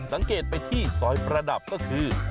สังเกตไปที่ซอยประดับก็คือ